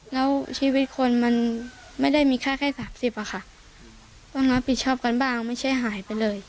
แล้วชีวิตคนมันไม่ได้มีค่าแค่สามสิบอะค่ะต้องรับผิดชอบกันบ้างไม่ใช่หายไปเลย